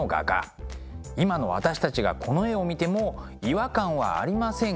今の私たちがこの絵を見ても違和感はありませんが。